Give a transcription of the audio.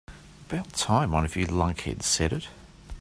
About time one of you lunkheads said it.